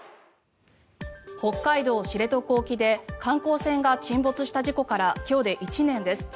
北海道・知床沖で観光船が沈没した事故から今日で１年です。